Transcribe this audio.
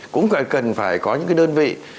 cũng cần phải có những cái đơn vị